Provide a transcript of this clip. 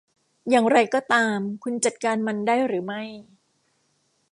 อย่างไรก็ตามคุณจัดการมันได้หรือไม่